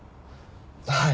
はい。